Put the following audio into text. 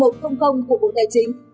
là thông tư một trăm linh của bộ tài chính